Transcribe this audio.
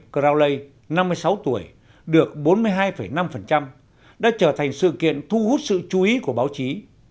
công nghiệp crowley năm mươi sáu tuổi được bốn mươi hai năm đã trở thành sự kiện thu hút sự chú ý của báo chí